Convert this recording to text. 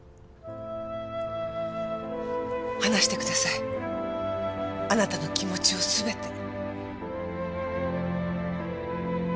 話してくださいあなたの気持ちを全て。